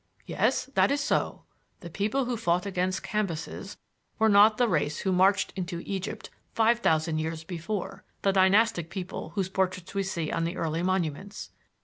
"Yes, that is so. The people who fought against Cambyses were not the race who marched into Egypt five thousand years before the dynastic people whose portraits we see on the early monuments.